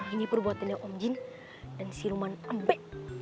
ini perbuatannya om jin dan si ruman ambe